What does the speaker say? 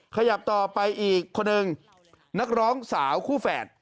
ขยับต่อไปอีกคนนึงนักร้องสาวคู่แฝด